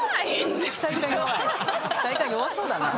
体幹弱そうだな。